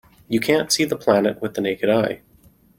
You can't see the planet with the naked eye.